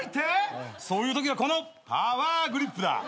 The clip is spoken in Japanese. そういうときはこのパワーグリップだ。